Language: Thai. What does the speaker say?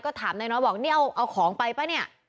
ก็ถามนายน้อยบอกนี่เอาของไปป่ะเนี่ย